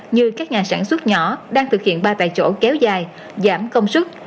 như các nhà sản xuất nhỏ đang thực hiện ba tài vỗ kéo dài giảm công sức